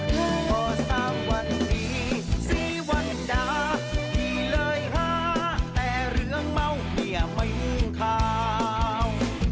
เพราะสามวันนี้สี่วันดาที่เลยห้าแต่เรืองเมาเมียไม่ขาว